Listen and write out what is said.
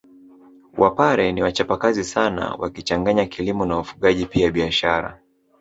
Wapare ni wachapakazi sana wakichanganya kilimo na ufugaji pia biashara